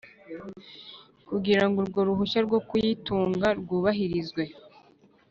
kugira ngo urwo ruhushya rwo kuyitunga rwubahirizwe